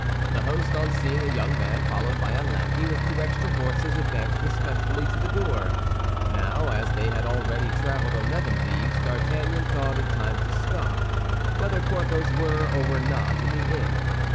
The host, on seeing a young man followed by a lackey with two extra horses, advanced respectfully to the door. Now, as they had already traveled eleven leagues, D'Artagnan thought it time to stop, whether Porthos were or were not in the inn.